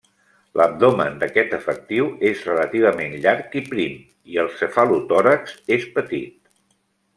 L'abdomen d'aquest efectiu és relativament llarg i prim, i el cefalotòrax és petit.